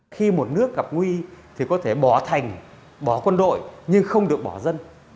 khi một nước gặp nguy thì có thể bỏ thành bỏ quân đội nhưng không được bỏ dân